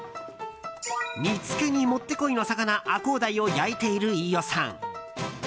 煮つけにもってこいの魚アコウダイを焼いている飯尾さん。